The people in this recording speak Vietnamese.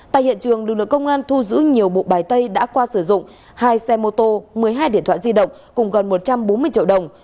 tại hiện trường lực lượng công an thu giữ nhiều bộ bài tay đã qua sử dụng hai xe mô tô một mươi hai điện thoại di động cùng gần một trăm bốn mươi triệu đồng